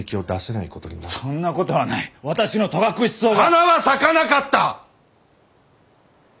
花は咲かなかった！